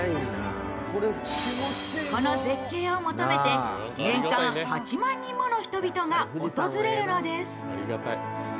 この絶景を求めて、年間８万人もの人々が訪れるのです。